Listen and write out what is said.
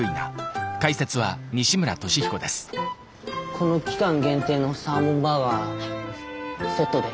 この期間限定のサーモンバーガーセットで。